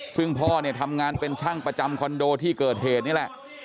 ซึ่งพ่อเนี่ยทำงานเป็นช่างประจำคอนโดที่เกิดเหตุนี่แหละ